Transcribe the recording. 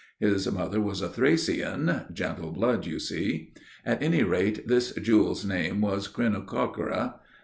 His mother was a Thracian,—gentle blood! you see. At any rate this jewel's name was Krinokoraka.